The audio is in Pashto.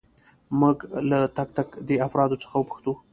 موږ له تک تک دې افرادو څخه پوښتو.